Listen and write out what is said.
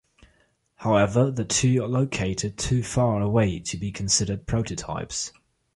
However, the two are located too far away to be considered prototypes.